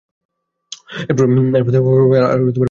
এরপর তিনি ক্রমে আরও পরিণতির দিকে এগিয়ে যান।